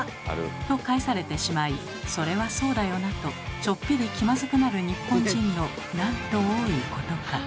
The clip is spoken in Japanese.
と返されてしまい「それはそうだよな」とちょっぴり気まずくなる日本人のなんと多いことか。